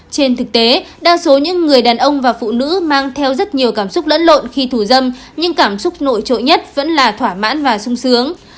trên thực tế đa số những người đàn ông và phụ nữ mang theo rất nhiều cảm xúc lẫn lộn khi thủ dâm nhưng cảm xúc nổi trội nhất vẫn là thỏa mãn và sung sướng